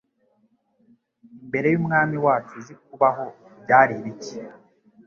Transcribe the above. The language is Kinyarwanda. Imbere y'Umwami wacu uzi kubaho byari ibiki